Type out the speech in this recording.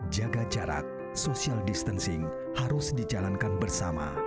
jaga jarak social distancing harus dijalankan bersama